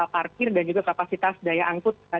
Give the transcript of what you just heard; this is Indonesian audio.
parkir dan juga kapasitas daya angkut